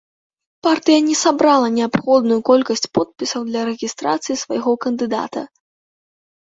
Партыя не сабрала неабходную колькасць подпісаў для рэгістрацыі свайго кандыдата.